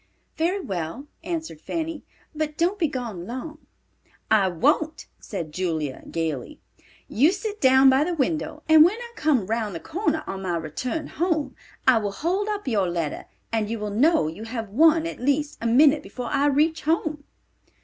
"Very well," answered Fanny; "but don't be gone long." "I won't," said Julia, gaily. "You sit down by the window and when I come round the corner on my return home. I will hold up your letter, and you will know you have one at least a minute before I reach home."